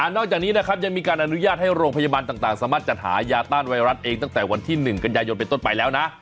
นอกจากนี้นะครับยังมีการอนุญาตให้โรงพยาบาลต่างสามารถจัดหายาต้านไวรัสเองตั้งแต่วันที่๑กันยายนเป็นต้นไปแล้วนะ